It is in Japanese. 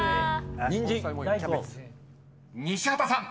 ［西畑さん］